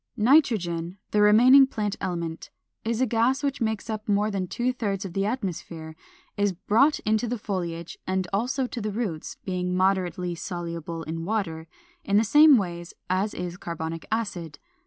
Nitrogen, the remaining plant element, is a gas which makes up more than two thirds of the atmosphere, is brought into the foliage and also to the roots (being moderately soluble in water) in the same ways as is carbonic acid.